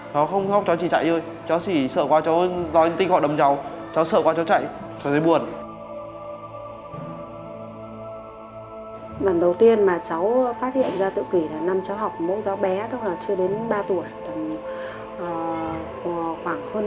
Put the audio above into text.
nó không khóc cháu chỉ chạy thôi cháu chỉ sợ qua cháu nói tin họ đâm cháu cháu sợ qua cháu chạy cháu thấy buồn